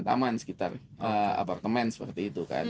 taman sekitar apartemen seperti itu kan